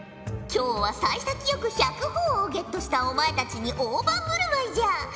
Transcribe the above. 今日はさい先よく１００ほぉをゲットしたお前たちに大盤振る舞いじゃ。